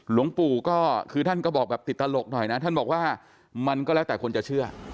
หลวงปู่ก็คือท่านก็บอกแบบติดตลกหน่อยนะท่านบอกว่ามันก็แล้วแต่คนจะเชื่อ